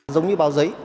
giống như báo giấy